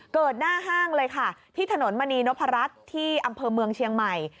หน้าห้างเลยค่ะที่ถนนมณีนพรัชที่อำเภอเมืองเชียงใหม่